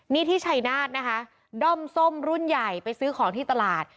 นี่ที่ชัยนาธนะคะด้อมส้มรุ่นใหญ่ไปซื้อของที่ตลาด